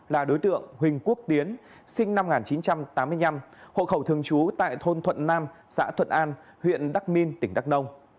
là đối tượng huỳnh quốc tiến sinh năm một nghìn chín trăm tám mươi năm hộ khẩu thường trú tại thôn thuận nam xã thuận an huyện đắc minh tỉnh đắk nông